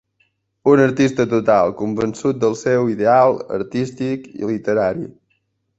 Un artista total, convençut del seu ideal artístic i literari.